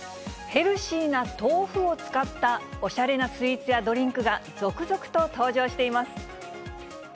ヘルシーな豆腐を使ったおしゃれなスイーツやドリンクが続々と登場しています。